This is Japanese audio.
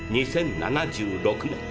２０７６年。